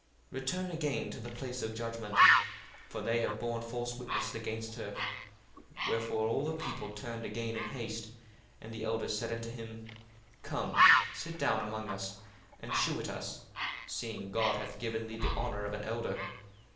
1:49 Return again to the place of judgment: for they have borne false witness against her. 1:50 Wherefore all the people turned again in haste, and the elders said unto him, Come, sit down among us, and shew it us, seeing God hath given thee the honour of an elder.